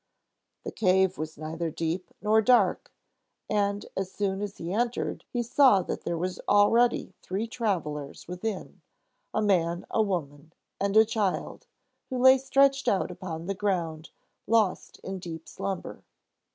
The cave was neither deep nor dark, and as soon as he entered he saw that there were already three travelers within: a man, a woman, and a child, who lay stretched out upon the ground, lost in deep slumber.